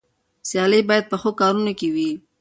سيالي بايد په ښو کارونو کې وي.